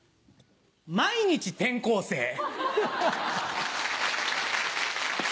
毎日転校生。